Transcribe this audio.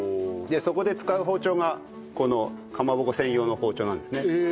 そこで使う包丁がこのかまぼこ専用の包丁なんですね。